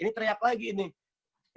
ini teriak lagi nih